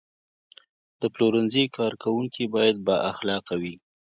د پلورنځي کارکوونکي باید بااخلاقه وي.